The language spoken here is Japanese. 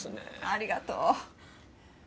ありがとう。